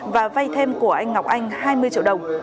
và vay thêm của anh ngọc anh hai mươi triệu đồng